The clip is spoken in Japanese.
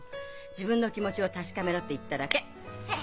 自分の気持ちを確かめろって言っただけ。